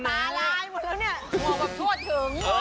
แล้วพวกควรถึง